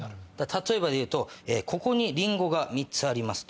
例えばでいうとここにリンゴが３つあります。